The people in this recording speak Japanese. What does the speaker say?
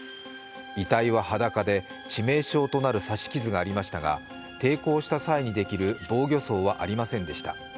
遺体は裸で、致命傷となる刺し傷がありましたが抵抗した際にできる防御創はありませんでした。